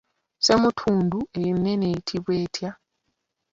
Ssemutundu ennene eyitibwa etya?